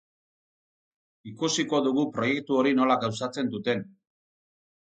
Ikusiko dugu proiektu hori nola gauzatzen duten.